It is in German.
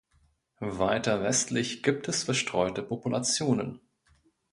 Weiter westlich gibt es verstreute Populationen.